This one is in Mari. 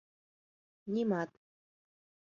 — Нимат...